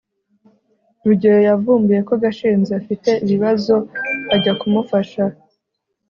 rugeyo yavumbuye ko gashinzi afite ibibazo ajya kumufasha